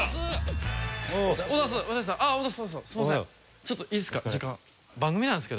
ちょっといいですか？